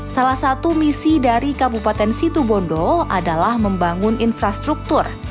salah satu misi dari kabupaten situbondo adalah membangun infrastruktur